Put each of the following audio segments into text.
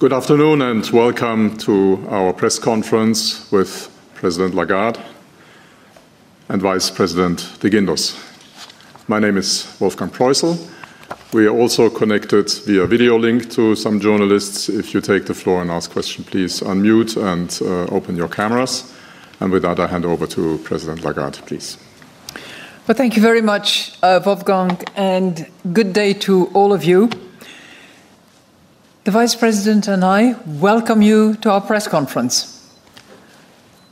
Good afternoon and welcome to our press conference with President Lagarde and Vice President de Guindos. My name is Wolfgang Preussel. We are also connected via video link to some journalists. If you take the floor and ask questions, please unmute and open your cameras. With that, I hand over to President Lagarde, please. Thank you very much, Wolfgang, and good day to all of you. The Vice President and I welcome you to our press conference.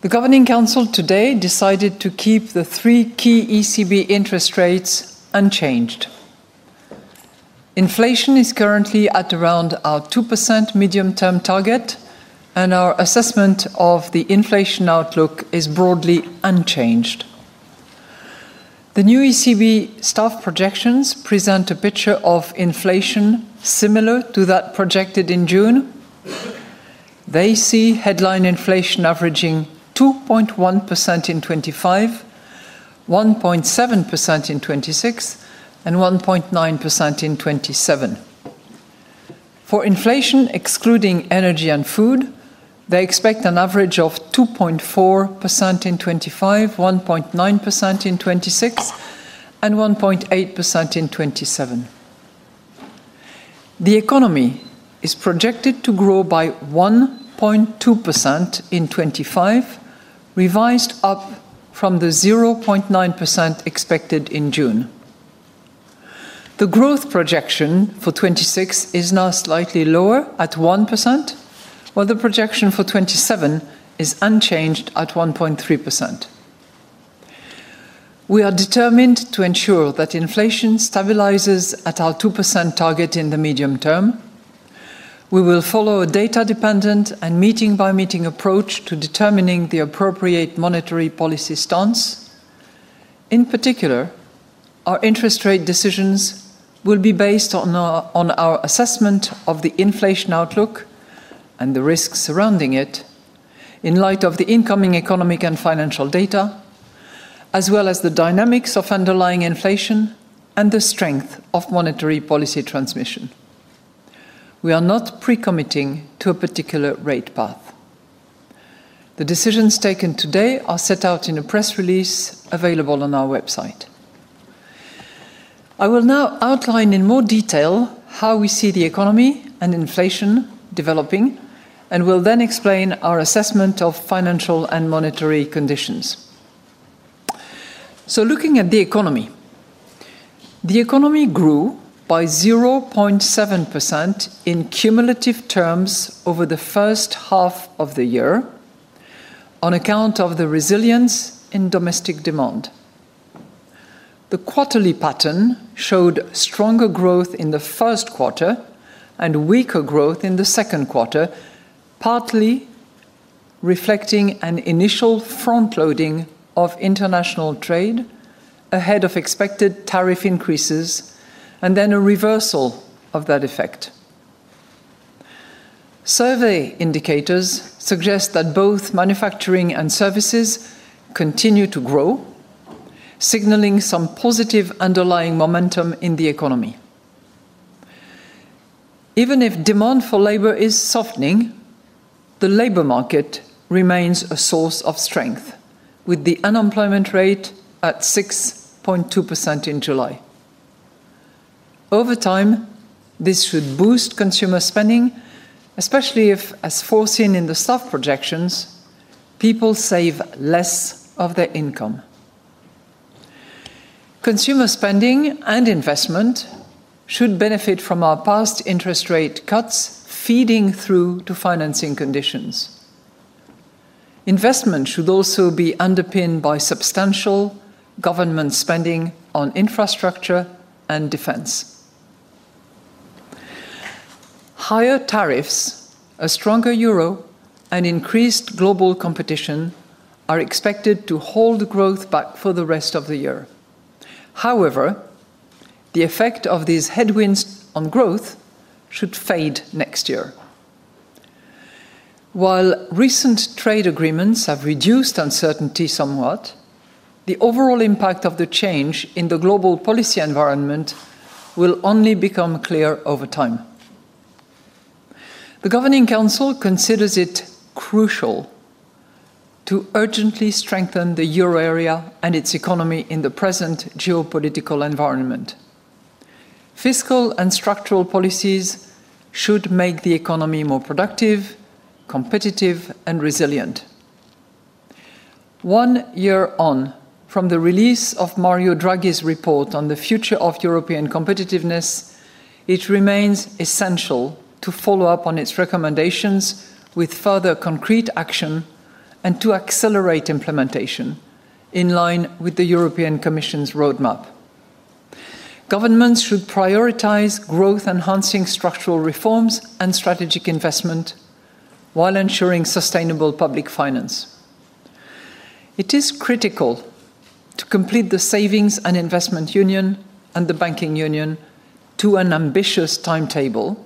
The Governing Council today decided to keep the three key ECB interest rates unchanged. Inflation is currently at around our 2% medium-term target, and our assessment of the inflation outlook is broadly unchanged. The new ECB staff projections present a picture of inflation similar to that projected in June. They see headline inflation averaging 2.1% in 2025, 1.7% in 2026, and 1.9% in 2027. For inflation excluding energy and food, they expect an average of 2.4% in 2025, 1.9% in 2026, and 1.8% in 2027. The economy is projected to grow by 1.2% in 2025, revised up from the 0.9% expected in June. The growth projection for 2026 is now slightly lower at 1%, while the projection for 2027 is unchanged at 1.3%. We are determined to ensure that inflation stabilizes at our 2% target in the medium term. We will follow a data-dependent and meeting-by-meeting approach to determining the appropriate monetary policy stance. In particular, our interest rate decisions will be based on our assessment of the inflation outlook and the risks surrounding it, in light of the incoming economic and financial data, as well as the dynamics of underlying inflation and the strength of monetary policy transmission. We are not pre-committing to a particular rate path. The decisions taken today are set out in a press release available on our website. I will now outline in more detail how we see the economy and inflation developing, and will then explain our assessment of financial and monetary conditions. Looking at the economy, the economy grew by 0.7% in cumulative terms over the first half of the year, on account of the resilience in domestic demand. The quarterly pattern showed stronger growth in the first quarter and weaker growth in the second quarter, partly reflecting an initial front-loading of international trade ahead of expected tariff increases, and then a reversal of that effect. Survey indicators suggest that both manufacturing and services continue to grow, signaling some positive underlying momentum in the economy. Even if demand for labor is softening, the labor market remains a source of strength, with the unemployment rate at 6.2% in July. Over time, this should boost consumer spending, especially if, as foreseen in the staff projections, people save less of their income. Consumer spending and investment should benefit from our past interest rate cuts feeding through to financing conditions. Investment should also be underpinned by substantial government spending on infrastructure and defense. Higher tariffs, a stronger euro, and increased global competition are expected to hold growth back for the rest of the year. However, the effect of these headwinds on growth should fade next year. While recent trade agreements have reduced uncertainty somewhat, the overall impact of the change in the global policy environment will only become clear over time. The Governing Council considers it crucial to urgently strengthen the euro area and its economy in the present geopolitical environment. Fiscal and structural policies should make the economy more productive, competitive, and resilient. One year on from the release of Mario Draghi's report on the future of European competitiveness, it remains essential to follow up on its recommendations with further concrete action and to accelerate implementation in line with the European Commission's roadmap. Governments should prioritize growth-enhancing structural reforms and strategic investment while ensuring sustainable public finance. It is critical to complete the Savings and Investment Union and the Banking Union to an ambitious timetable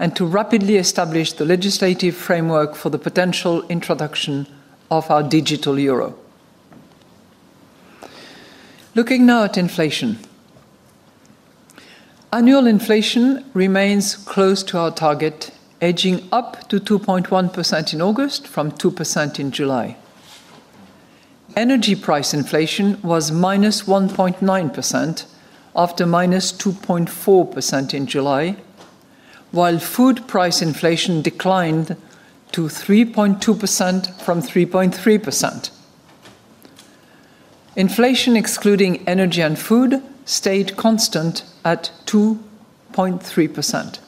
and to rapidly establish the legislative framework for the potential introduction of our digital euro. Looking now at inflation, annual inflation remains close to our target, edging up to 2.1% in August from 2% in July. Energy price inflation was -1.9% after -2.4% in July, while food price inflation declined to 3.2% from 3.3%. Inflation excluding energy and food stayed constant at 2.3%.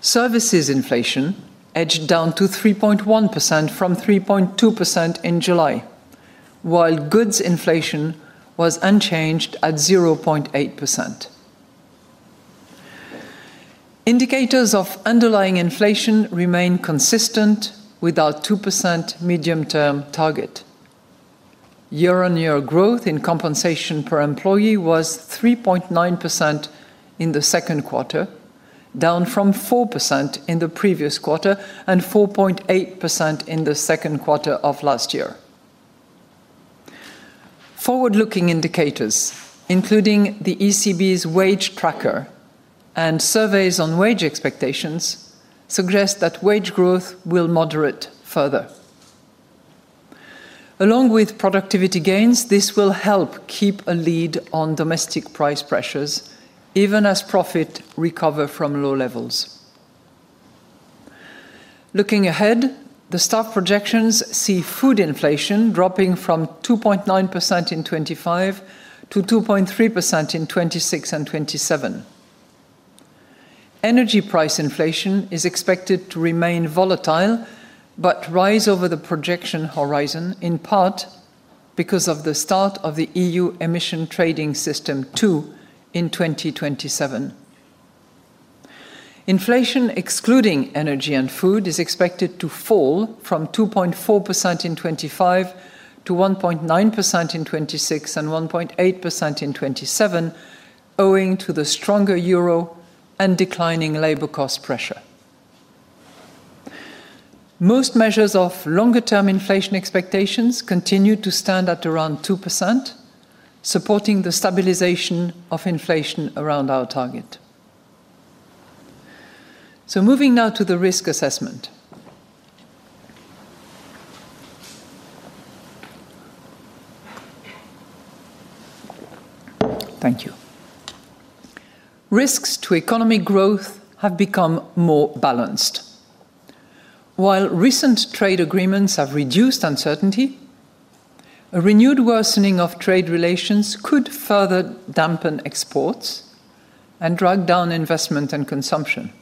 Services inflation edged down to 3.1% from 3.2% in July, while goods inflation was unchanged at 0.8%. Indicators of underlying inflation remain consistent with our 2% medium-term target. Year-on-year growth in compensation per employee was 3.9% in the second quarter, down from 4% in the previous quarter and 4.8% in the second quarter of last year. Forward-looking indicators, including the ECB's wage tracker and surveys on wage expectations, suggest that wage growth will moderate further. Along with productivity gains, this will help keep a lid on domestic price pressures, even as profit recovers from low levels. Looking ahead, the staff projections see food inflation dropping from 2.9% in 2025 to 2.3% in 2026 and 2027. Energy price inflation is expected to remain volatile but rise over the projection horizon, in part because of the start of the EU Emission Trading System II in 2027. Inflation excluding energy and food is expected to fall from 2.4% in 2025 to 1.9% in 2026 and 1.8% in 2027, owing to the stronger euro and declining labor cost pressure. Most measures of longer-term inflation expectations continue to stand at around 2%, supporting the stabilization of inflation around our target. Moving now to the risk assessment. Thank you. Risks to economic growth have become more balanced. While recent trade agreements have reduced uncertainty, a renewed worsening of trade relations could further dampen exports and drag down investment and consumption.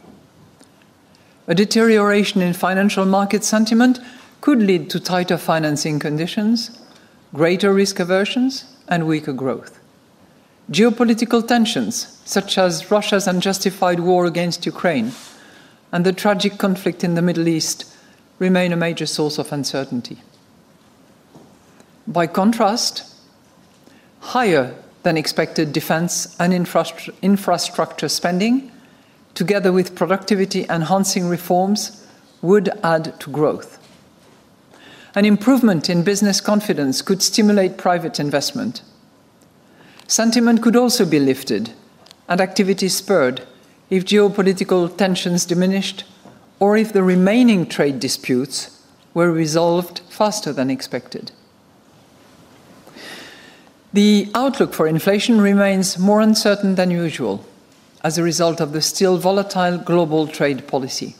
A deterioration in financial market sentiment could lead to tighter financing conditions, greater risk aversion, and weaker growth. Geopolitical tensions, such as Russia's unjustified war against Ukraine and the tragic conflict in the Middle East, remain a major source of uncertainty. By contrast, higher-than-expected defense and infrastructure spending, together with productivity-enhancing reforms, would add to growth. An improvement in business confidence could stimulate private investment. Sentiment could also be lifted and activity spurred if geopolitical tensions diminished or if the remaining trade disputes were resolved faster than expected. The outlook for inflation remains more uncertain than usual as a result of the still volatile global trade policy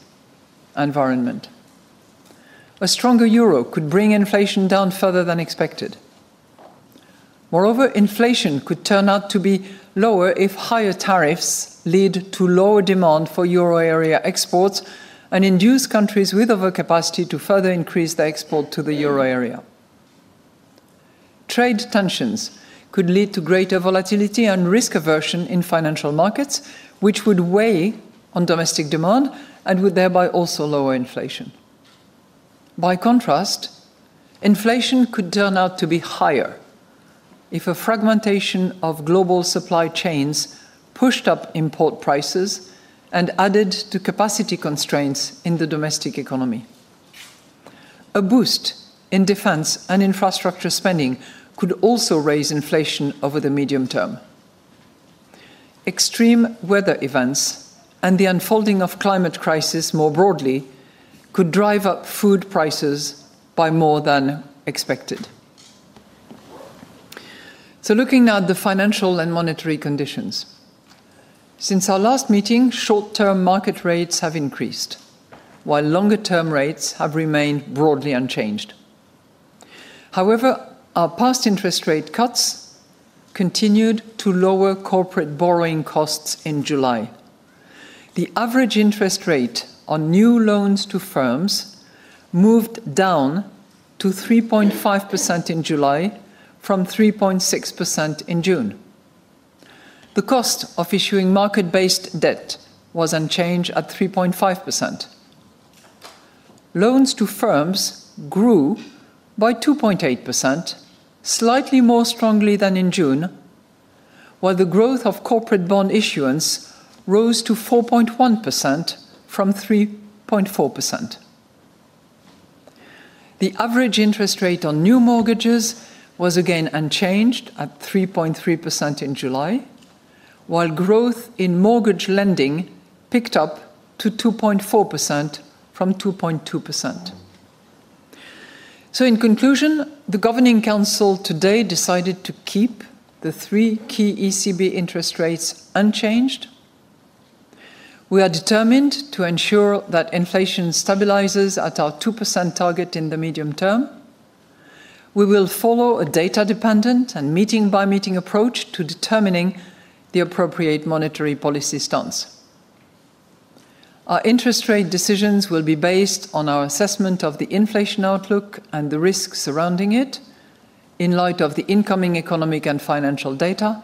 environment. A stronger euro could bring inflation down further than expected. Moreover, inflation could turn out to be lower if higher tariffs lead to lower demand for euro area exports and induce countries with overcapacity to further increase their export to the euro area. Trade tensions could lead to greater volatility and risk aversion in financial markets, which would weigh on domestic demand and would thereby also lower inflation. By contrast, inflation could turn out to be higher if a fragmentation of global supply chains pushed up import prices and added to capacity constraints in the domestic economy. A boost in defense and infrastructure spending could also raise inflation over the medium term. Extreme weather events and the unfolding of the climate crisis more broadly could drive up food prices by more than expected. Looking at the financial and monetary conditions, since our last meeting, short-term market rates have increased, while longer-term rates have remained broadly unchanged. However, our past interest rate cuts continued to lower corporate borrowing costs in July. The average interest rate on new loans to firms moved down to 3.5% in July from 3.6% in June. The cost of issuing market-based debt was unchanged at 3.5%. Loans to firms grew by 2.8%, slightly more strongly than in June, while the growth of corporate bond issuance rose to 4.1% from 3.4%. The average interest rate on new mortgages was again unchanged at 3.3% in July, while growth in mortgage lending picked up to 2.4% from 2.2%. In conclusion, the Governing Council today decided to keep the three key ECB interest rates unchanged. We are determined to ensure that inflation stabilizes at our 2% target in the medium term. We will follow a data-dependent and meeting-by-meeting approach to determining the appropriate monetary policy stance. Our interest rate decisions will be based on our assessment of the inflation outlook and the risks surrounding it, in light of the incoming economic and financial data,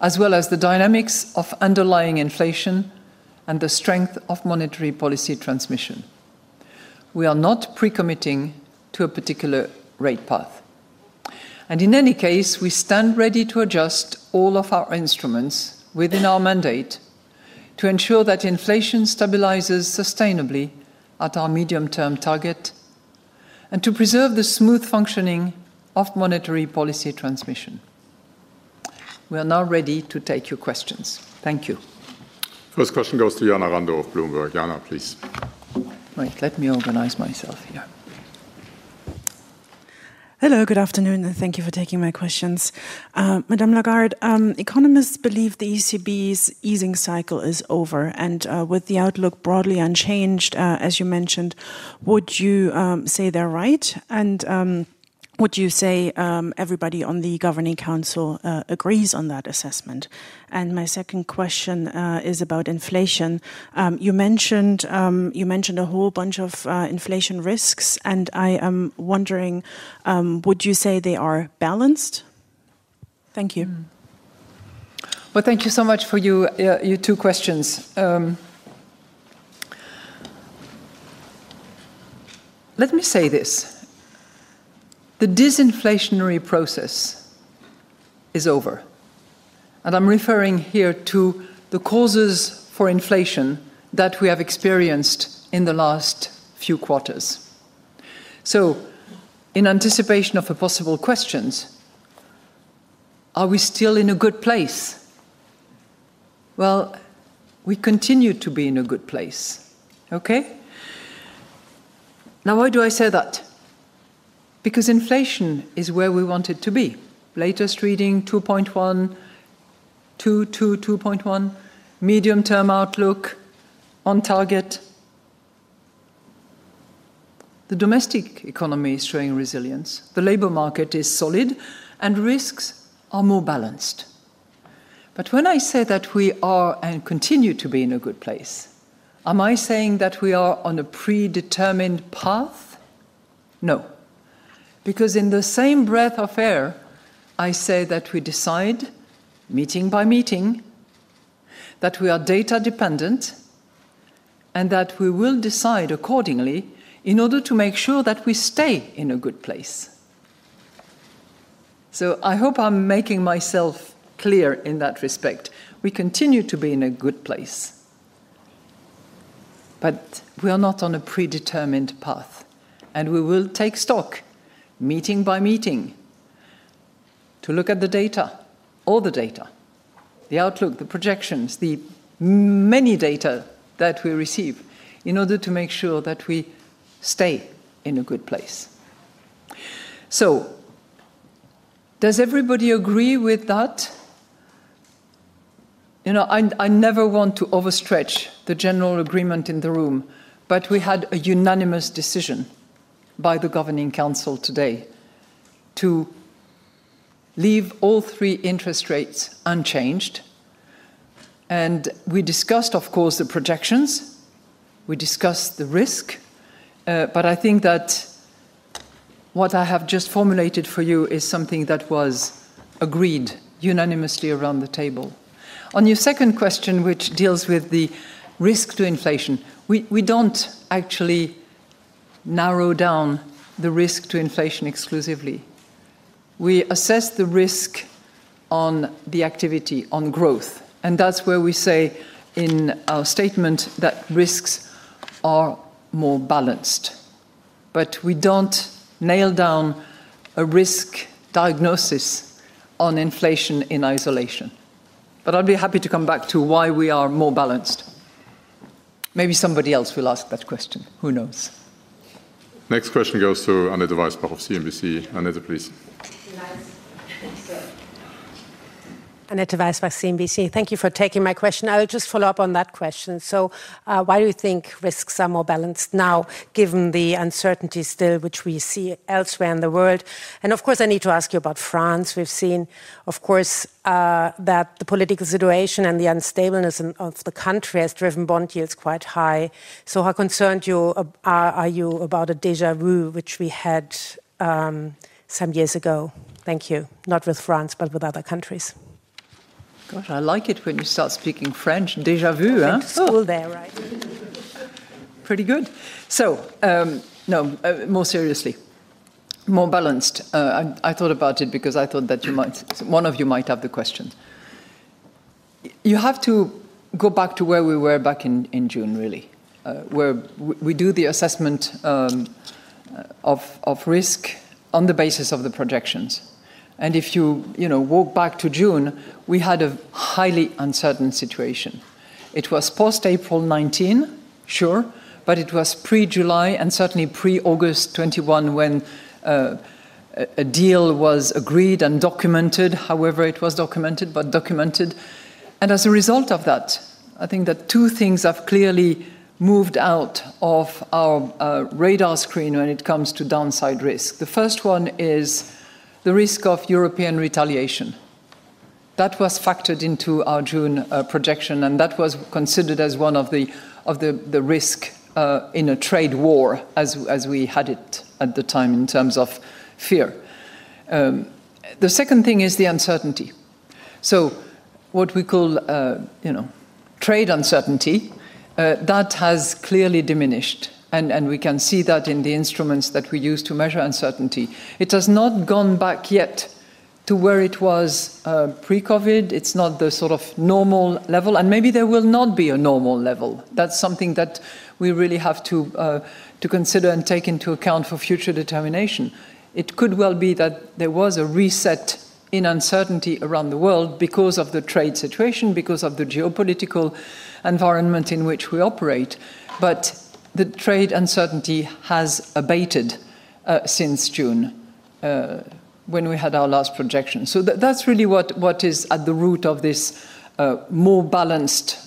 as well as the dynamics of underlying inflation and the strength of monetary policy transmission. We are not pre-committing to a particular rate path. In any case, we stand ready to adjust all of our instruments within our mandate to ensure that inflation stabilizes sustainably at our medium-term target and to preserve the smooth functioning of monetary policy transmission. We are now ready to take your questions. Thank you. First question goes to Jana Randall of Bloomberg. Jana, please. Right, let me organize myself here. Hello, good afternoon, and thank you for taking my questions. Madame Lagarde, economists believe the European Central Bank's easing cycle is over, and with the outlook broadly unchanged, as you mentioned, would you say they're right? Would you say everybody on the Governing Council agrees on that assessment? My second question is about inflation. You mentioned a whole bunch of inflation risks, and I am wondering, would you say they are balanced? Thank you. Thank you so much for your two questions. Let me say this: the disinflationary process is over. I'm referring here to the causes for inflation that we have experienced in the last few quarters. In anticipation of the possible questions, are we still in a good place? We continue to be in a good place. Now, why do I say that? Because inflation is where we want it to be. Latest reading 2.1%, 2.2%, 2.1%, medium-term outlook on target. The domestic economy is showing resilience, the labor market is solid, and risks are more balanced. When I say that we are and continue to be in a good place, am I saying that we are on a predetermined path? No, because in the same breath of air, I say that we decide, meeting by meeting, that we are data-dependent, and that we will decide accordingly in order to make sure that we stay in a good place. I hope I'm making myself clear in that respect. We continue to be in a good place. We are not on a predetermined path, and we will take stock, meeting by meeting, to look at the data, all the data, the outlook, the projections, the many data that we receive in order to make sure that we stay in a good place. Does everybody agree with that? I never want to overstretch the general agreement in the room, but we had a unanimous decision by the Governing Council today to leave all three interest rates unchanged. We discussed, of course, the projections, we discussed the risk, but I think that what I have just formulated for you is something that was agreed unanimously around the table. On your second question, which deals with the risk to inflation, we don't actually narrow down the risk to inflation exclusively. We assess the risk on the activity, on growth, and that's where we say in our statement that risks are more balanced. We don't nail down a risk diagnosis on inflation in isolation. I'll be happy to come back to why we are more balanced. Maybe somebody else will ask that question. Who knows? Next question goes to Annette Weisbach of CNBC. Annette, please. Thank you, Annette Weisbach, CNBC. Thank you for taking my question. I'll just follow up on that question. Why do you think risks are more balanced now, given the uncertainty still which we see elsewhere in the world? Of course, I need to ask you about France. We've seen, of course, that the political situation and the unstableness of the country has driven bond yields quite high. How concerned are you about a déjà vu, which we had some years ago? Thank you. Not with France, but with other countries. Gosh, I like it when you start speaking French. Déjà vu. It's all there, right? Pretty good. No, more seriously, more balanced. I thought about it because I thought that one of you might have the question. You have to go back to where we were back in June, really, where we do the assessment of risk on the basis of the projections. If you walk back to June, we had a highly uncertain situation. It was post-April 2019, sure, but it was pre-July and certainly pre-August 2021 when a deal was agreed and documented, however it was documented, but documented. As a result of that, I think that two things have clearly moved out of our radar screen when it comes to downside risk. The first one is the risk of European retaliation. That was factored into our June projection, and that was considered as one of the risks in a trade war as we had it at the time in terms of fear. The second thing is the uncertainty. What we call, you know, trade uncertainty, that has clearly diminished, and we can see that in the instruments that we use to measure uncertainty. It has not gone back yet to where it was pre-COVID. It's not the sort of normal level, and maybe there will not be a normal level. That's something that we really have to consider and take into account for future determination. It could well be that there was a reset in uncertainty around the world because of the trade situation, because of the geopolitical environment in which we operate, but the trade uncertainty has abated since June when we had our last projection. That's really what is at the root of this more balanced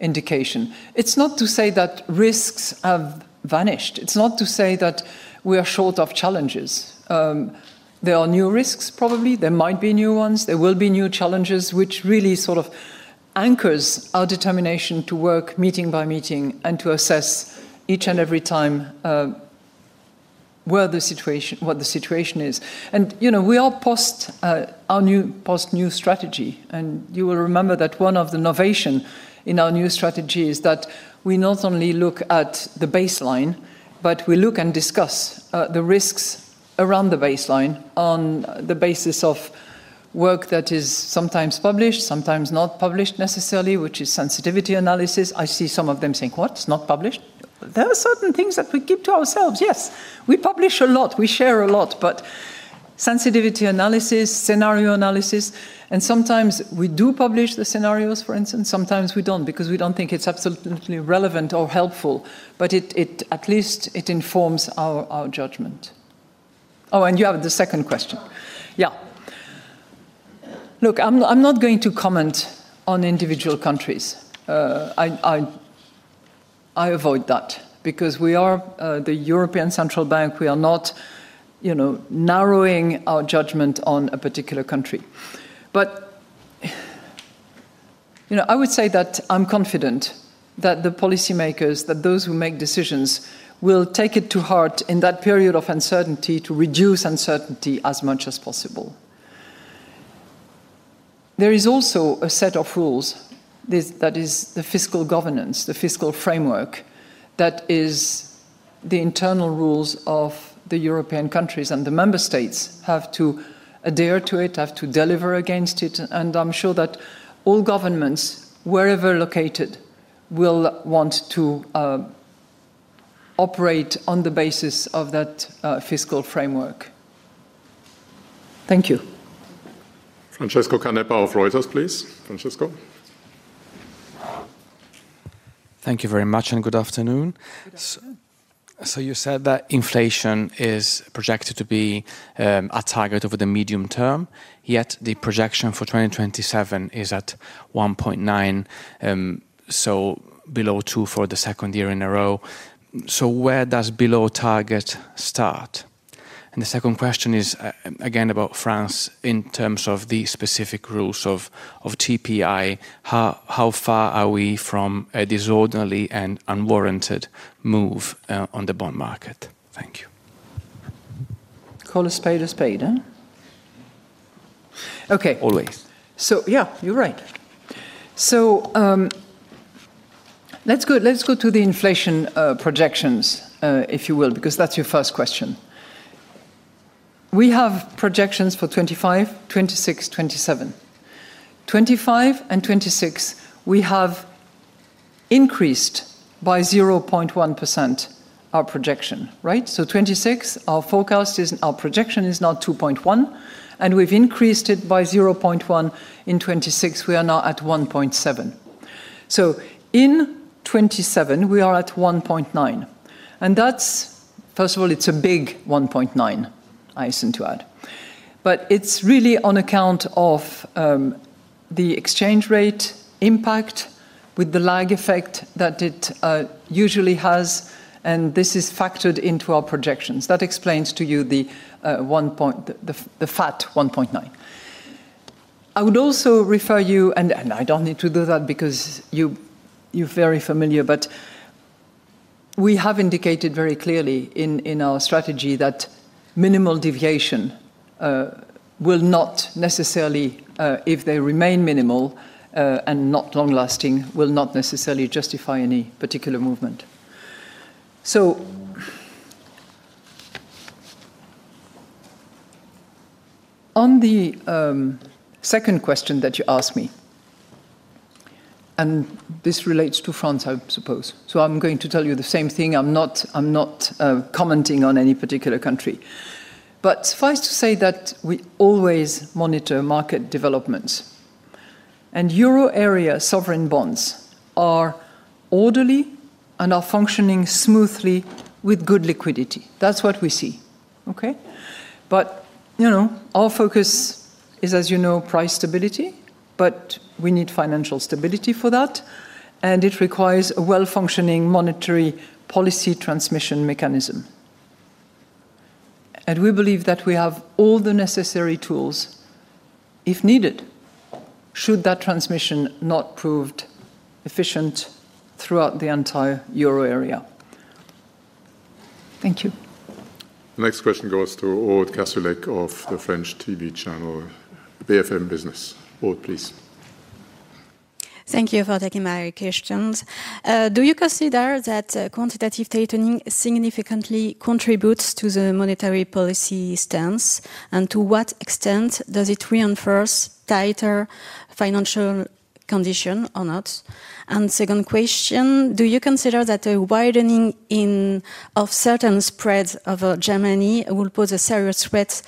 indication. It's not to say that risks have vanished. It's not to say that we are short of challenges. There are new risks, probably. There might be new ones. There will be new challenges, which really sort of anchors our determination to work meeting by meeting and to assess each and every time where the situation is. You know, we are post our new post-new strategy, and you will remember that one of the innovations in our new strategy is that we not only look at the baseline, but we look and discuss the risks around the baseline on the basis of work that is sometimes published, sometimes not published necessarily, which is sensitivity analysis. I see some of them saying, "What's not published?" There are certain things that we keep to ourselves. Yes, we publish a lot. We share a lot, but sensitivity analysis, scenario analysis, and sometimes we do publish the scenarios, for instance. Sometimes we don't because we don't think it's absolutely relevant or helpful, but at least it informs our judgment. You have the second question. I'm not going to comment on individual countries. I avoid that because we are the European Central Bank. We are not narrowing our judgment on a particular country. I would say that I'm confident that the policymakers, that those who make decisions, will take it to heart in that period of uncertainty to reduce uncertainty as much as possible. There is also a set of rules. That is the fiscal governance, the fiscal framework. That is the internal rules of the European countries, and the member states have to adhere to it, have to deliver against it, and I'm sure that all governments, wherever located, will want to operate on the basis of that fiscal framework. Thank you. Francesco Canepa of Reuters, please. Francesco. Thank you very much and good afternoon. You said that inflation is projected to be at target over the medium term, yet the projection for 2027 is at 1.9%, so below 2% for the second year in a row. Where does below target start? The second question is again about France in terms of the specific rules of TPI. How far are we from a disorderly and unwarranted move on the bond market? Thank you. Call a spade a spade, huh? Okay. Always. You're right. Let's go to the inflation projections, if you will, because that's your first question. We have projections for 2025, 2026, and 2027. For 2025 and 2026, we have increased by 0.1% our projection, right? For 2026, our forecast is, our projection is now 2.1%, and we've increased it by 0.1%. In 2027, we are at 1.9%. That's, first of all, it's a big 1.9%, I asked him to add. It's really on account of the exchange rate impact with the lag effect that it usually has, and this is factored into our projections. That explains to you the fat 1.9%. I would also refer you, and I don't need to do that because you're very familiar, but we have indicated very clearly in our strategy that minimal deviation will not necessarily, if they remain minimal and not long-lasting, justify any particular movement. On the second question that you asked me, and this relates to France, I suppose, I'm going to tell you the same thing. I'm not commenting on any particular country. Suffice to say that we always monitor market developments. Euro area sovereign bonds are orderly and are functioning smoothly with good liquidity. That's what we see. Our focus is, as you know, price stability, but we need financial stability for that, and it requires a well-functioning monetary policy transmission mechanism. We believe that we have all the necessary tools if needed should that transmission not prove efficient throughout the entire euro area. Thank you. Next question goes to Aude Karsulec of the French TV channel BFM Business. Aude, please. Thank you for taking my questions. Do you consider that quantitative tightening significantly contributes to the monetary policy stance, and to what extent does it reinforce tighter financial conditions or not? Second question, do you consider that the widening of certain spreads of Germany will pose a serious threat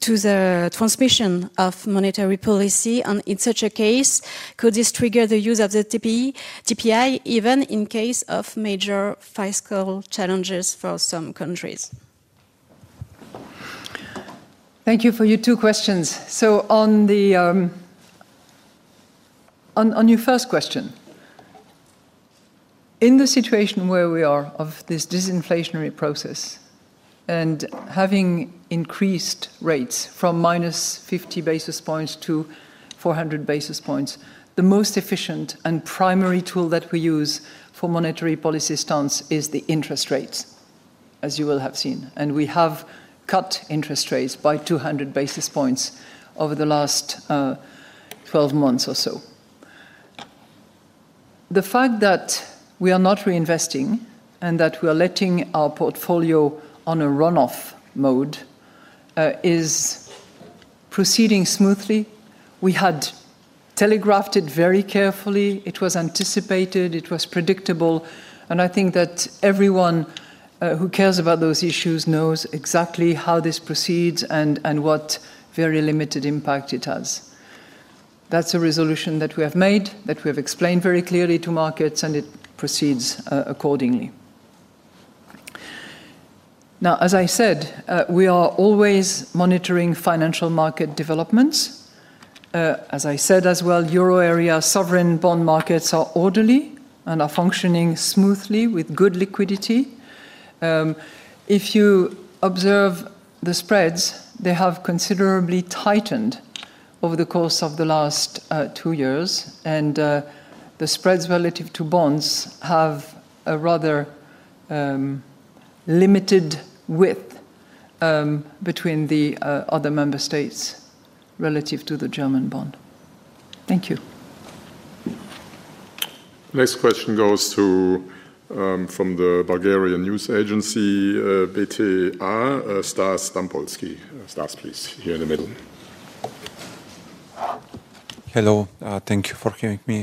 to the transmission of monetary policy, and in such a case, could this trigger the use of the TPI even in case of major fiscal challenges for some countries? Thank you for your two questions. On your first question, in the situation where we are of this disinflationary process and having increased rates from minus 50 basis points to 400 basis points, the most efficient and primary tool that we use for monetary policy stance is the interest rates, as you will have seen. We have cut interest rates by 200 basis points over the last 12 months or so. The fact that we are not reinvesting and that we are letting our portfolio on a run-off mode is proceeding smoothly. We had telegraphed it very carefully. It was anticipated. It was predictable. I think that everyone who cares about those issues knows exactly how this proceeds and what very limited impact it has. That's a resolution that we have made, that we have explained very clearly to markets, and it proceeds accordingly. As I said, we are always monitoring financial market developments. As I said as well, euro area sovereign bond markets are orderly and are functioning smoothly with good liquidity. If you observe the spreads, they have considerably tightened over the course of the last two years, and the spreads relative to bonds have a rather limited width between the other member states relative to the German bond. Thank you. Next question goes to Stas Stampolski from the Bulgarian news agency BTA. Stas, please, here in the middle. Hello, thank you for hearing me.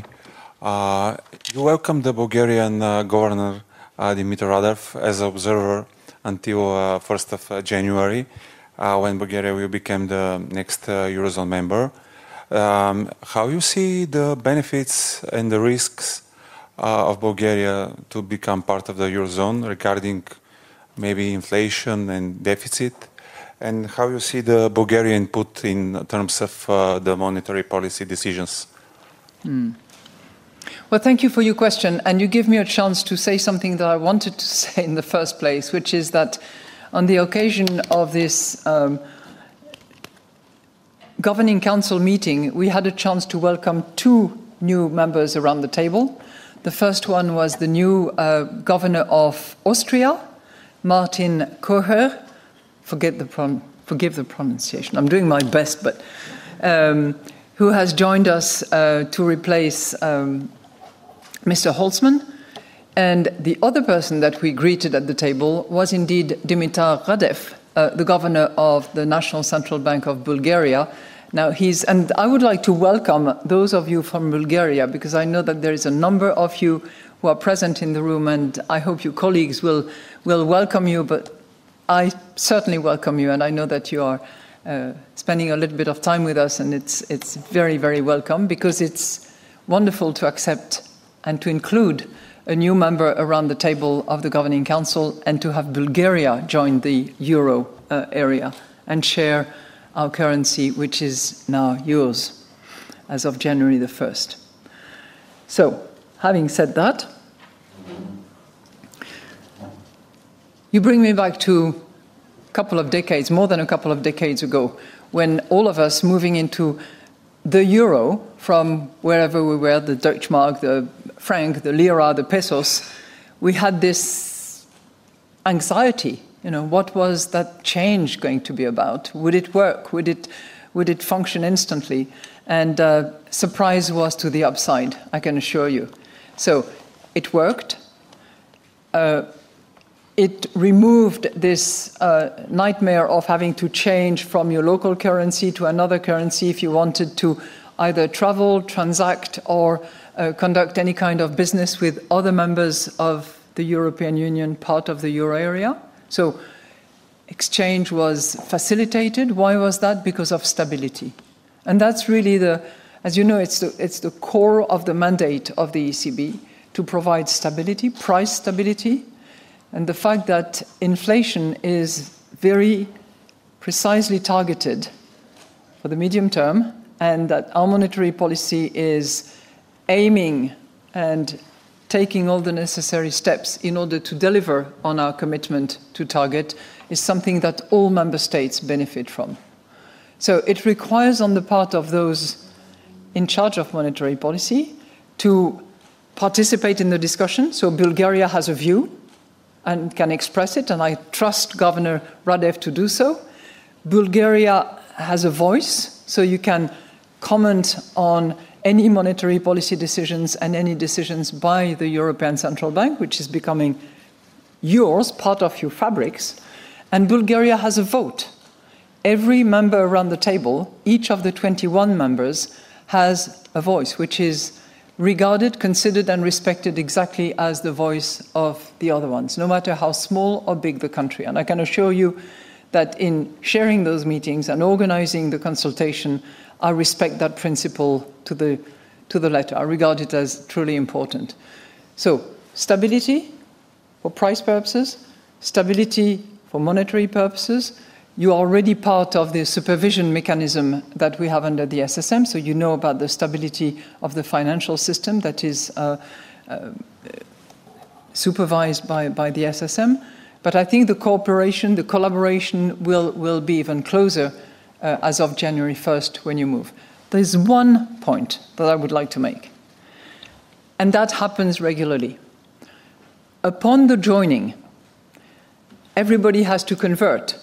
You welcome the Bulgarian governor, Dimitar Radev, as an observer until January 1, when Bulgaria will become the next euro area member. How do you see the benefits and the risks of Bulgaria to become part of the euro area regarding maybe inflation and deficit? How do you see the Bulgarian input in terms of the monetary policy decisions? Thank you for your question. You gave me a chance to say something that I wanted to say in the first place, which is that on the occasion of this Governing Council meeting, we had a chance to welcome two new members around the table. The first one was the new Governor of Austria, Martin Kocher, forgive the pronunciation. I'm doing my best, but who has joined us to replace Mr. Holzmann. The other person that we greeted at the table was indeed Dimitar Radev, the Governor of the Bulgarian National Bank. I would like to welcome those of you from Bulgaria because I know that there is a number of you who are present in the room, and I hope your colleagues will welcome you, but I certainly welcome you, and I know that you are spending a little bit of time with us, and it's very, very welcome because it's wonderful to accept and to include a new member around the table of the Governing Council and to have Bulgaria join the euro area and share our currency, which is now yours as of January 1. Having said that, you bring me back to a couple of decades, more than a couple of decades ago, when all of us moving into the euro from wherever we were, the Deutsche Mark, the franc, the lira, the pesos, we had this anxiety. You know, what was that change going to be about? Would it work? Would it function instantly? Surprise was to the upside, I can assure you. It worked. It removed this nightmare of having to change from your local currency to another currency if you wanted to either travel, transact, or conduct any kind of business with other members of the European Union, part of the euro area. Exchange was facilitated. Why was that? Because of stability. That's really the, as you know, it's the core of the mandate of the European Central Bank to provide stability, price stability, and the fact that inflation is very precisely targeted for the medium term and that our monetary policy is aiming and taking all the necessary steps in order to deliver on our commitment to target is something that all member states benefit from. It requires on the part of those in charge of monetary policy to participate in the discussion. Bulgaria has a view and can express it, and I trust Governor Radev to do so. Bulgaria has a voice, so you can comment on any monetary policy decisions and any decisions by the European Central Bank, which is becoming yours, part of your fabrics. Bulgaria has a vote. Every member around the table, each of the 21 members, has a voice, which is regarded, considered, and respected exactly as the voice of the other ones, no matter how small or big the country. I can assure you that in sharing those meetings and organizing the consultation, I respect that principle to the letter. I regard it as truly important. Stability for price purposes, stability for monetary purposes. You are already part of the supervision mechanism that we have under the SSM, so you know about the stability of the financial system that is supervised by the SSM. I think the cooperation, the collaboration will be even closer as of January 1 when you move. There's one point that I would like to make, and that happens regularly. Upon the joining, everybody has to convert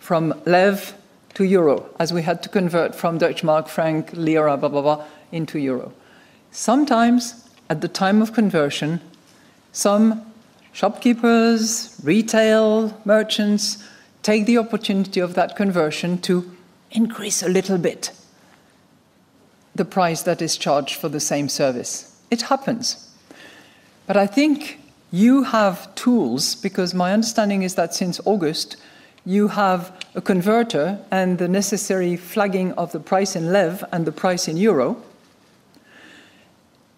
from lev to euro, as we had to convert from Deutsche Mark, franc, lira, blah, blah, blah, into euro. Sometimes, at the time of conversion, some shopkeepers, retail merchants take the opportunity of that conversion to increase a little bit the price that is charged for the same service. It happens. I think you have tools because my understanding is that since August, you have a converter and the necessary flagging of the price in lev and the price in euro.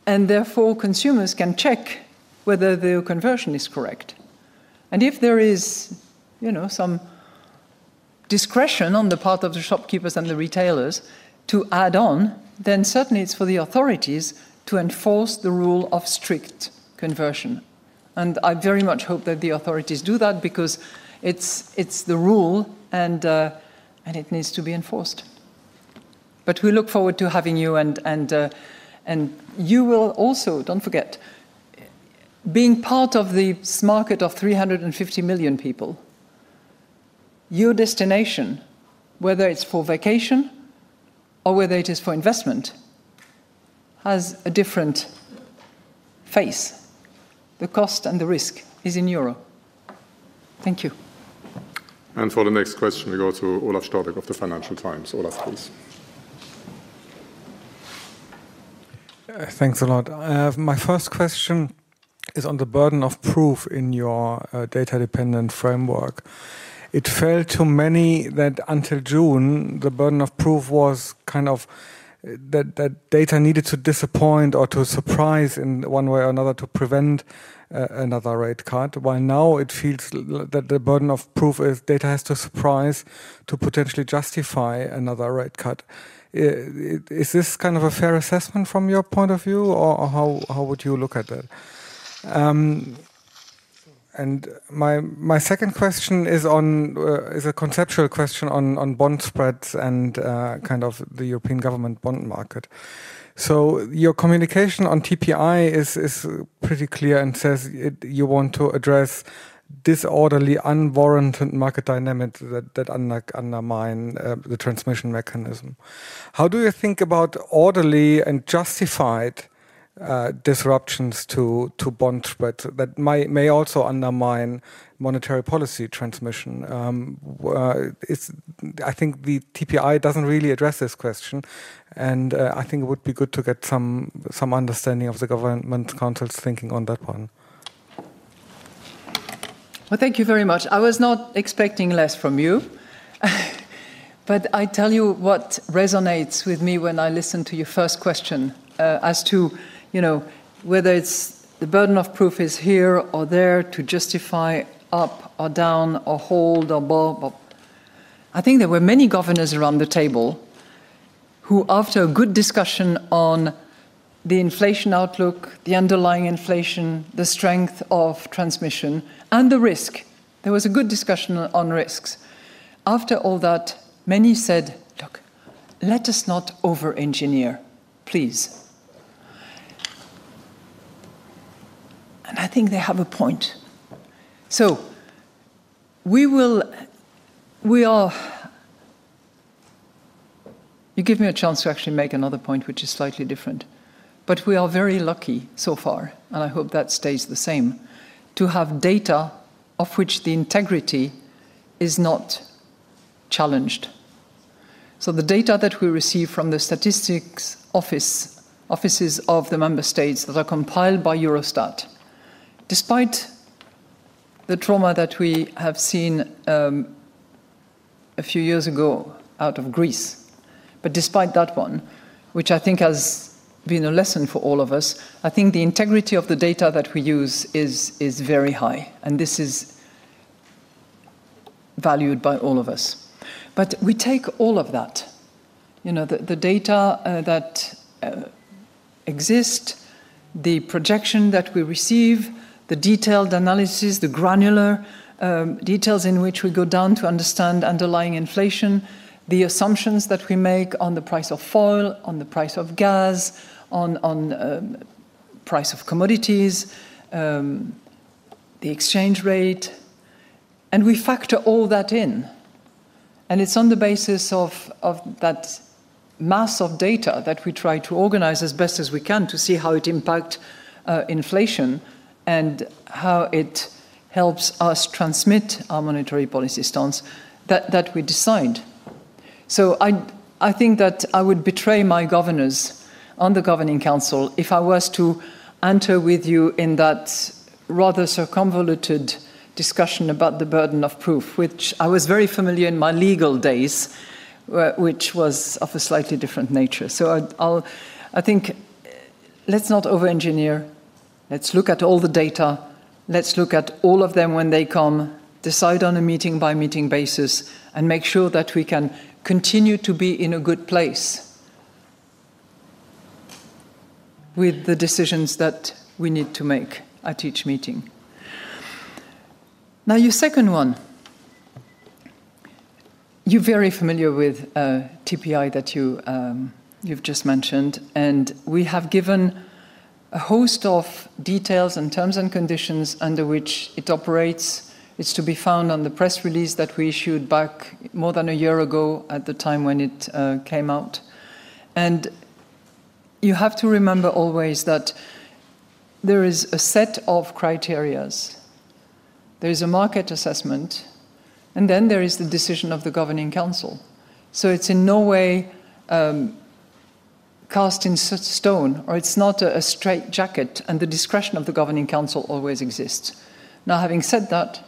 Therefore, consumers can check whether the conversion is correct. If there is, you know, some discretion on the part of the shopkeepers and the retailers to add on, then certainly it's for the authorities to enforce the rule of strict conversion. I very much hope that the authorities do that because it's the rule and it needs to be enforced. We look forward to having you, and you will also, don't forget, being part of this market of 350 million people, your destination, whether it's for vacation or whether it is for investment, has a different face. The cost and the risk is in euro. Thank you. For the next question, we go to Olaf Storbeck of the Financial Times. Olaf, please. Thanks a lot. My first question is on the burden of proof in your data-dependent framework. It felt to many that until June, the burden of proof was kind of that data needed to disappoint or to surprise in one way or another to prevent another rate cut, while now it feels that the burden of proof is data has to surprise to potentially justify another rate cut. Is this kind of a fair assessment from your point of view, or how would you look at that? My second question is a conceptual question on bond spreads and kind of the European government bond market. Your communication on TPI is pretty clear and says you want to address disorderly, unwarranted market dynamics that undermine the transmission mechanism. How do you think about orderly and justified disruptions to bond spreads that may also undermine monetary policy transmission? I think the TPI doesn't really address this question, and I think it would be good to get some understanding of the Governing Council's thinking on that one. Thank you very much. I was not expecting less from you, but I tell you what resonates with me when I listen to your first question as to, you know, whether the burden of proof is here or there to justify up or down or hold or blah, blah, blah. I think there were many governors around the table who, after a good discussion on the inflation outlook, the underlying inflation, the strength of transmission, and the risk, there was a good discussion on risks. After all that, many said, "Look, let us not over-engineer, please." I think they have a point. We will, we are, you give me a chance to actually make another point, which is slightly different, but we are very lucky so far, and I hope that stays the same, to have data of which the integrity is not challenged. The data that we receive from the statistics offices of the member states that are compiled by Eurostat, despite the trauma that we have seen a few years ago out of Greece, but despite that one, which I think has been a lesson for all of us, I think the integrity of the data that we use is very high, and this is valued by all of us. We take all of that, you know, the data that exists, the projection that we receive, the detailed analysis, the granular details in which we go down to understand underlying inflation, the assumptions that we make on the price of oil, on the price of gas, on the price of commodities, the exchange rate, and we factor all that in. It's on the basis of that mass of data that we try to organize as best as we can to see how it impacts inflation and how it helps us transmit our monetary policy stance that we decide. I think that I would betray my governors on the Governing Council if I was to enter with you in that rather circumvented discussion about the burden of proof, which I was very familiar in my legal days, which was of a slightly different nature. I think let's not over-engineer. Let's look at all the data. Let's look at all of them when they come, decide on a meeting-by-meeting basis, and make sure that we can continue to be in a good place with the decisions that we need to make at each meeting. Now, your second one, you're very familiar with TPI that you've just mentioned, and we have given a host of details and terms and conditions under which it operates. It's to be found on the press release that we issued back more than a year ago at the time when it came out. You have to remember always that there is a set of criteria. There is a market assessment, and then there is the decision of the Governing Council. It is in no way cast in stone, or it is not a straight jacket, and the discretion of the Governing Council always exists. Having said that,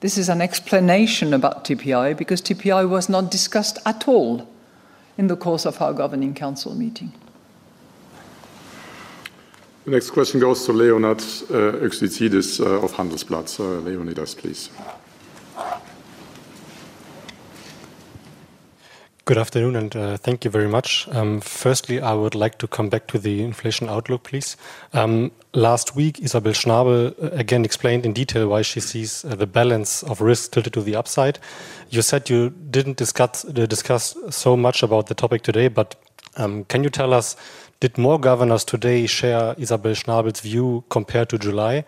this is an explanation about TPI because TPI was not discussed at all in the course of our Governing Council meeting. Next question goes to Leonidas Exintaris of Handelsblatt. Leonidas, please. Good afternoon, and thank you very much. Firstly, I would like to come back to the inflation outlook, please. Last week, Isabel Schnabel again explained in detail why she sees the balance of risk tilted to the upside. You said you didn't discuss so much about the topic today, but can you tell us, did more governors today share Isabel Schnabel's view compared to July?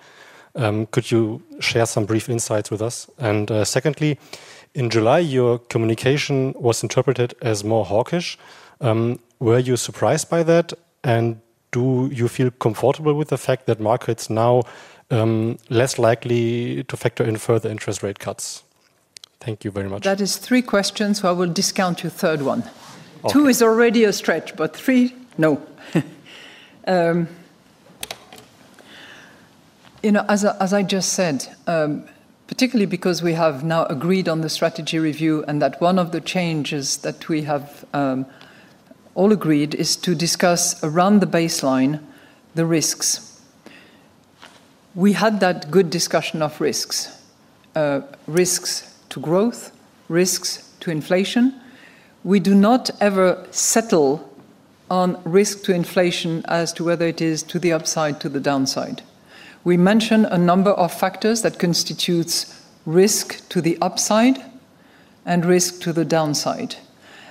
Could you share some brief insights with us? Secondly, in July, your communication was interpreted as more hawkish. Were you surprised by that? Do you feel comfortable with the fact that markets are now less likely to factor in further interest rate cuts? Thank you very much. That is three questions, so I will discount your third one. Two is already a stretch, but three, no. You know, as I just said, particularly because we have now agreed on the strategy review and that one of the changes that we have all agreed is to discuss around the baseline, the risks. We had that good discussion of risks, risks to growth, risks to inflation. We do not ever settle on risk to inflation as to whether it is to the upside, to the downside. We mention a number of factors that constitute risk to the upside and risk to the downside.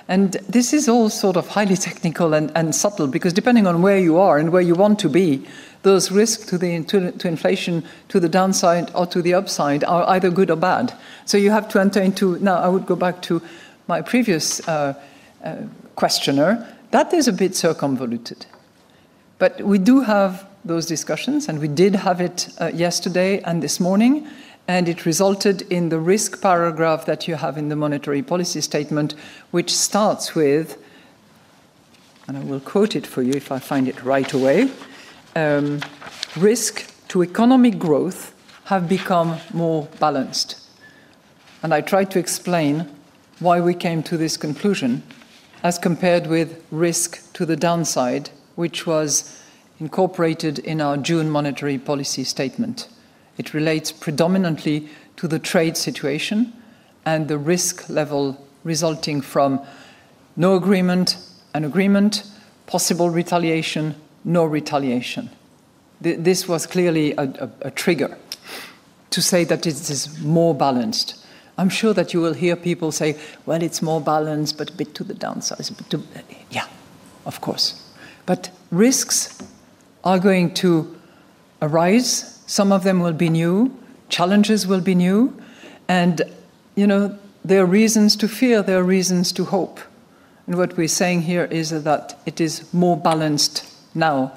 This is all sort of highly technical and subtle because depending on where you are and where you want to be, those risks to inflation, to the downside, or to the upside are either good or bad. You have to enter into... Now, I would go back to my previous questioner. That is a bit circumvented. We do have those discussions, and we did have it yesterday and this morning, and it resulted in the risk paragraph that you have in the monetary policy statement, which starts with, and I will quote it for you if I find it right away, "Risks to economic growth have become more balanced." I tried to explain why we came to this conclusion as compared with risk to the downside, which was incorporated in our June monetary policy statement. It relates predominantly to the trade situation and the risk level resulting from no agreement, an agreement, possible retaliation, no retaliation. This was clearly a trigger to say that it is more balanced. I'm sure that you will hear people say, "It's more balanced, but a bit to the downside." Yeah, of course. Risks are going to arise. Some of them will be new. Challenges will be new. You know, there are reasons to fear. There are reasons to hope. What we're saying here is that it is more balanced now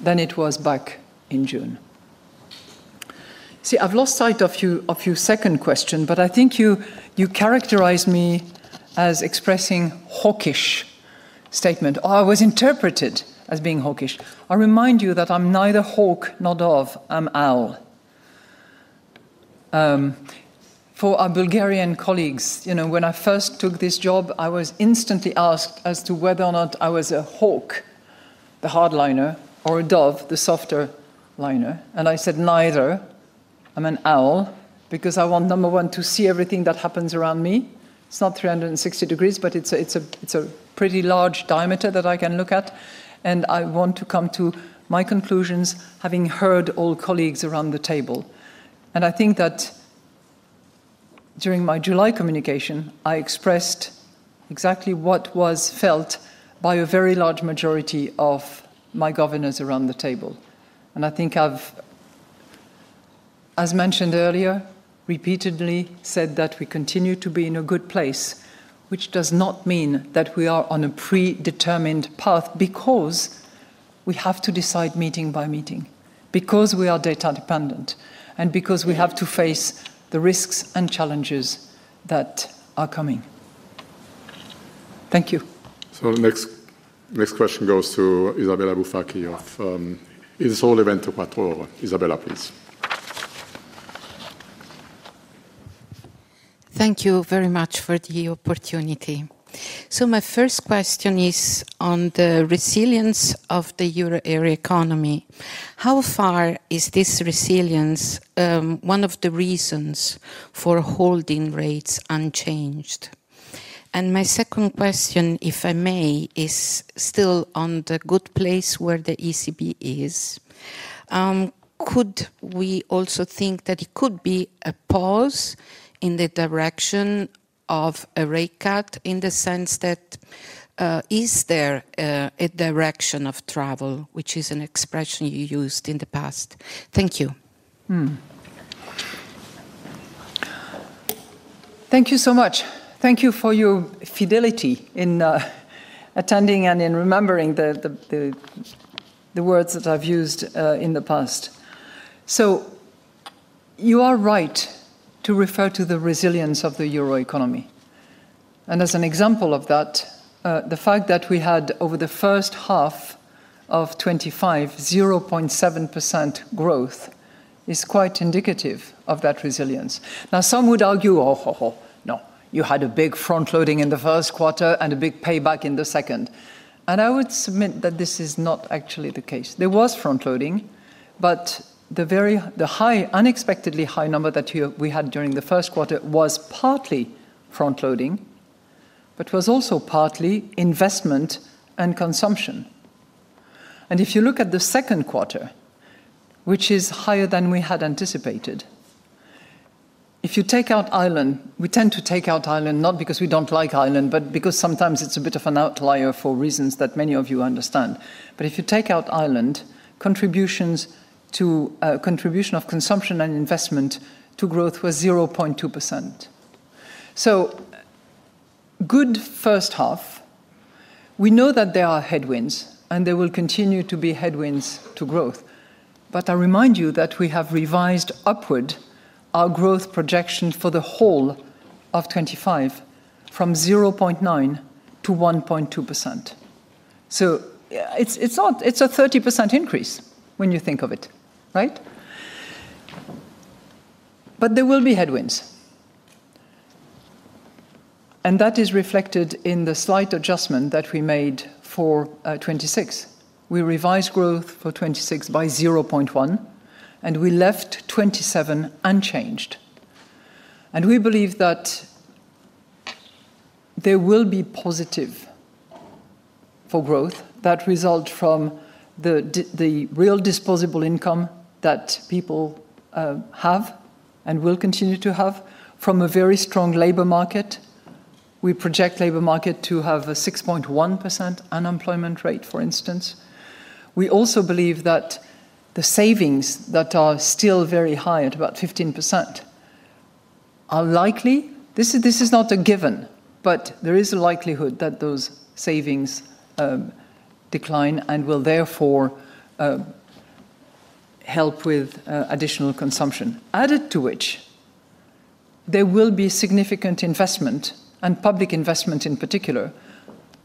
than it was back in June. See, I've lost sight of your second question, but I think you characterized me as expressing hawkish statement, or I was interpreted as being hawkish. I remind you that I'm neither hawk nor dove. I'm owl. For our Bulgarian colleagues, you know, when I first took this job, I was instantly asked as to whether or not I was a hawk, the hardliner, or a dove, the softer liner. I said, neither. I'm an owl because I want, number one, to see everything that happens around me. It's not 360 degrees, but it's a pretty large diameter that I can look at. I want to come to my conclusions, having heard all colleagues around the table. During my July communication, I expressed exactly what was felt by a very large majority of my governors around the table. I have, as mentioned earlier, repeatedly said that we continue to be in a good place, which does not mean that we are on a predetermined path because we have to decide meeting by meeting, because we are data-dependent, and because we have to face the risks and challenges that are coming. Thank you. The next question goes to Isabella Bufacchi of Il Sole 24 Ore. Isabella, please. Thank you very much for the opportunity. My first question is on the resilience of the euro area economy. How far is this resilience one of the reasons for holding rates unchanged? My second question, if I may, is still on the good place where the ECB is. Could we also think that it could be a pause in the direction of a rate cut in the sense that is there a direction of travel, which is an expression you used in the past? Thank you. Thank you so much. Thank you for your fidelity in attending and in remembering the words that I've used in the past. You are right to refer to the resilience of the euro area economy. As an example of that, the fact that we had over the first half of 2025, 0.7% growth is quite indicative of that resilience. Some would argue, "Oh, no, you had a big front-loading in the first quarter and a big payback in the second." I would submit that this is not actually the case. There was front-loading, but the high, unexpectedly high number that we had during the first quarter was partly front-loading, but was also partly investment and consumption. If you look at the second quarter, which is higher than we had anticipated, if you take out Ireland, we tend to take out Ireland not because we don't like Ireland, but because sometimes it's a bit of an outlier for reasons that many of you understand. If you take out Ireland, contributions to a contribution of consumption and investment to growth were 0.2%. Good first half. We know that there are headwinds, and there will continue to be headwinds to growth. I remind you that we have revised upward our growth projection for the whole of 2025 from 0.9% to 1.2%. It's a 30% increase when you think of it, right? There will be headwinds. That is reflected in the slight adjustment that we made for 2026. We revised growth for 2026 by 0.1%, and we left 2027 unchanged. We believe that there will be positive growth that results from the real disposable income that people have and will continue to have from a very strong labor market. We project the labor market to have a 6.1% unemployment rate, for instance. We also believe that the savings that are still very high at about 15% are likely. This is not a given, but there is a likelihood that those savings decline and will therefore help with additional consumption, added to which there will be significant investment and public investment in particular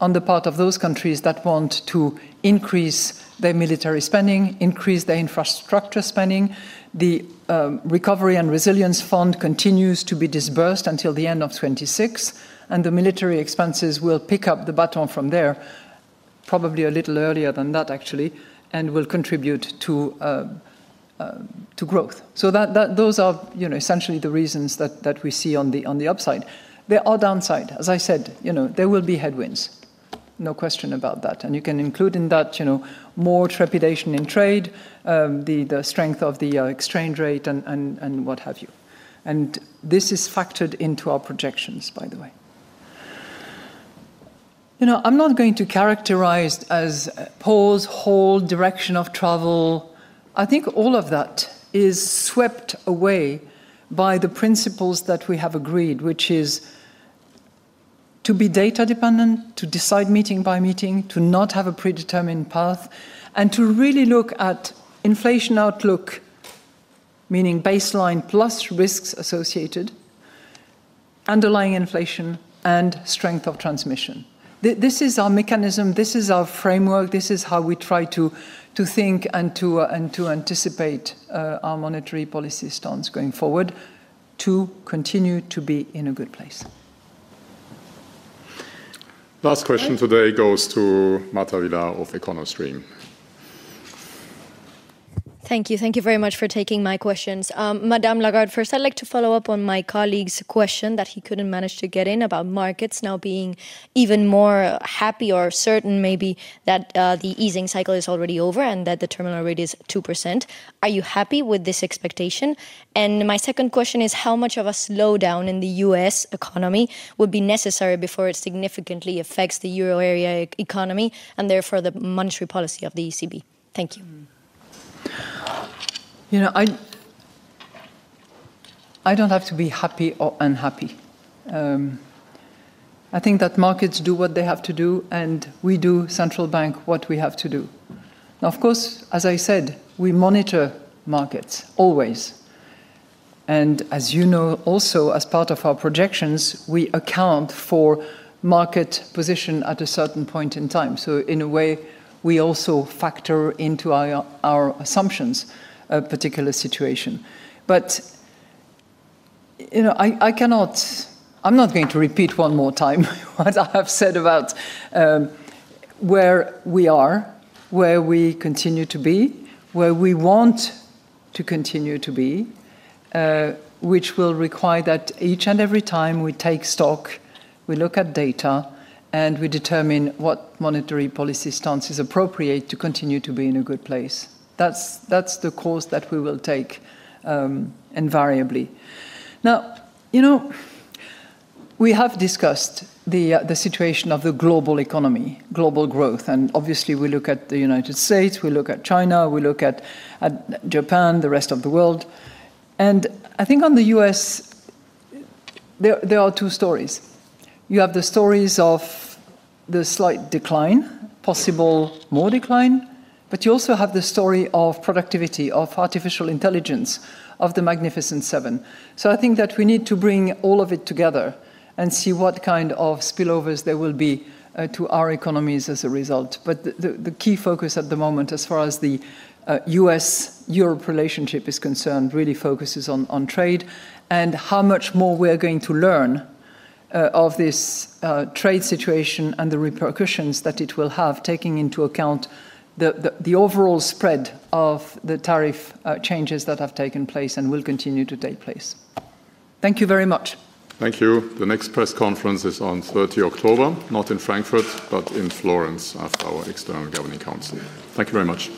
on the part of those countries that want to increase their military spending, increase their infrastructure spending. The Recovery and Resilience Fund continues to be dispersed until the end of 2026, and the military expenses will pick up the baton from there, probably a little earlier than that, actually, and will contribute to growth. Those are essentially the reasons that we see on the upside. There are downsides. As I said, you know, there will be headwinds. No question about that. You can include in that more trepidation in trade, the strength of the exchange rate, and what have you. This is factored into our projections, by the way. I'm not going to characterize it as pause, hold, direction of travel. I think all of that is swept away by the principles that we have agreed, which is to be data-dependent, to decide meeting by meeting, to not have a predetermined path, and to really look at inflation outlook, meaning baseline plus risks associated, underlying inflation, and strength of transmission. This is our mechanism. This is our framework. This is how we try to think and to anticipate our monetary policy stance going forward to continue to be in a good place. Last question today goes to Marta Vila of Econostream. Thank you. Thank you very much for taking my questions. Madame Lagarde, first, I'd like to follow up on my colleague's question that he couldn't manage to get in about markets now being even more happy or certain maybe that the easing cycle is already over and that the terminal rate is 2%. Are you happy with this expectation? My second question is how much of a slowdown in the U.S. economy would be necessary before it significantly affects the euro area economy and therefore the monetary policy of the European Central Bank? Thank you. You know, I don't have to be happy or unhappy. I think that markets do what they have to do, and we do, Central Bank, what we have to do. Of course, as I said, we monitor markets always. As you know, also as part of our projections, we account for market position at a certain point in time. In a way, we also factor into our assumptions a particular situation. You know, I cannot, I'm not going to repeat one more time what I have said about where we are, where we continue to be, where we want to continue to be, which will require that each and every time we take stock, we look at data, and we determine what monetary policy stance is appropriate to continue to be in a good place. That's the course that we will take invariably. We have discussed the situation of the global economy, global growth, and obviously we look at the United States, we look at China, we look at Japan, the rest of the world. I think on the U.S., there are two stories. You have the stories of the slight decline, possible more decline, but you also have the story of productivity, of artificial intelligence, of the Magnificent Seven. I think that we need to bring all of it together and see what kind of spillovers there will be to our economies as a result. The key focus at the moment, as far as the U.S.-Europe relationship is concerned, really focuses on trade and how much more we are going to learn of this trade situation and the repercussions that it will have, taking into account the overall spread of the tariff changes that have taken place and will continue to take place. Thank you very much. Thank you. The next press conference is on 30 October, not in Frankfurt, but in Florence, at our External Governing Council. Thank you very much.